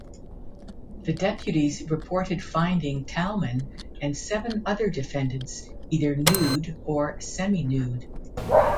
The deputies reported finding Talman and seven other defendants either nude or seminude.